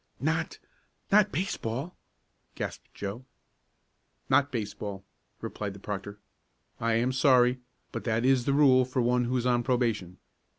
"Not not baseball?" gasped Joe. "Not baseball," replied the proctor. "I am sorry, but that is the rule for one who is on probation.